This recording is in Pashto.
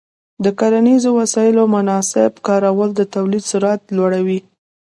د کرنیزو وسایلو مناسب کارول د تولید سرعت لوړوي.